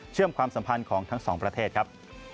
ความสัมพันธ์ของทั้งสองประเทศครับ